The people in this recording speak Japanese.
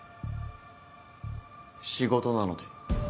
仕事なので。